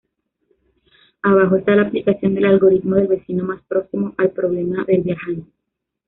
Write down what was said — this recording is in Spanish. Abajo está la aplicación del algoritmo del vecino más próximo al problema del viajante.